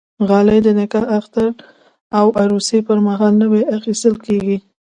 غالۍ د نکاح، اختر او عروسي پرمهال نوی اخیستل کېږي.